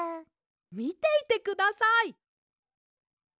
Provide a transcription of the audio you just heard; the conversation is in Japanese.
みていてください！